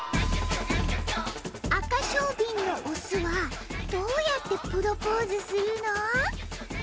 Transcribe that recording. アカショウビンのオスはどうやってプロポーズするの？